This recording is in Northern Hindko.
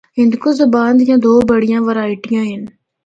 ہندکو زبان دے دو بڑیاں ورائٹیاں ہن۔